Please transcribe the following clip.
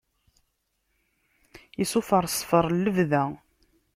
Iṣufeṛ, ṣṣfeṛ n bda.